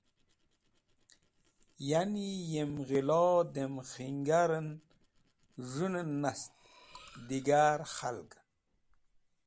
Ya’ni yem ghilo dem khanjar en z̃hũnen nast, digar khalgen.”